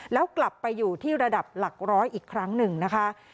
แล้วกลับไปอยู่ที่ระดับหลักร้อยอีกครั้งหนึ่งนะคะ